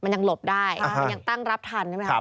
มันยังหลบได้มันยังตั้งรับทันใช่ไหมครับ